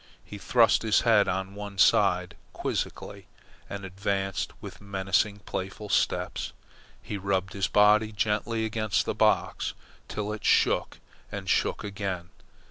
He thrust his head on one side quizzically, and advanced with mincing, playful steps. He rubbed his body gently against the box till it shook and shook again.